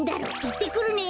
いってくるね。